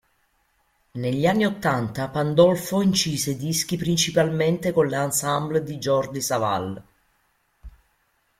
Negli anni ottanta Pandolfo incise dischi principalmente con le ensemble di Jordi Savall.